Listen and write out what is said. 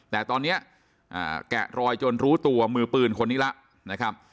แต่ตอนนี้แกะรอยจนรู้ตัวมือปืนคนนี้แล้วนะครับ